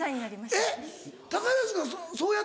えっ！